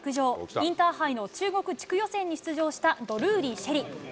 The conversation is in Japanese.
インターハイの中国地区予選に出場したドルーリー朱瑛里。